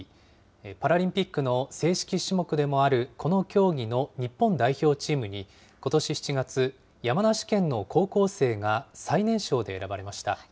パラリンピックの正式種目でもあるこの競技の日本代表チームに、ことし７月、山梨県の高校生が最年少で選ばれました。